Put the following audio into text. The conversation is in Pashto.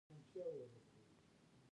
افغانستان د تنوع د پلوه ځانته ځانګړتیا لري.